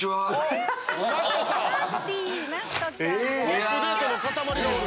アップデートの塊がおる！